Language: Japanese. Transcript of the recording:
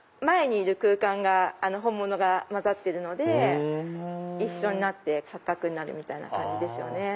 前にいる空間が本物が交ざってるので一緒になって錯覚になるみたいな感じですね。